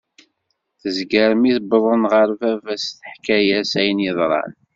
Tezger, mi wḍen ɣer baba-s teḥka-as ayen yeḍran.